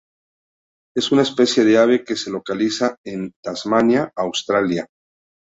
Es una especie de ave que se localiza en Tasmania, Australia.